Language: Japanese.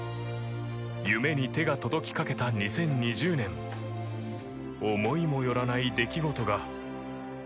夢に手が届きかけた２０２０年思いもよらない出来事が。